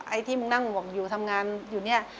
ไอ้ที่มึงนั่งห่วงอยู่ทำงานอยู่เนี่ย